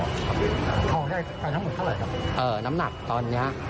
ทองได้ไปทั้งหมดเท่าไหร่ครับเอ่อน้ำหนักตอนเนี้ย